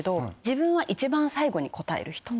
自分は一番最後に答える人。